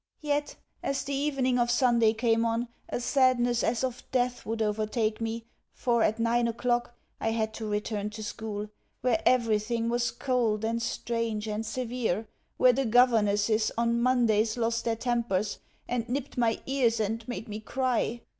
Yet as the evening of Sunday came on, a sadness as of death would overtake me, for at nine o'clock I had to return to school, where everything was cold and strange and severe where the governesses, on Mondays, lost their tempers, and nipped my ears, and made me cry.